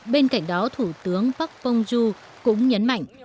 bên cạnh đó thủ tướng park bong gyu cũng nhấn mạnh